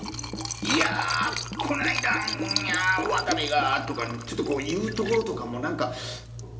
いやあこの間渡部がとかちょっとこう言うところとかもなんか。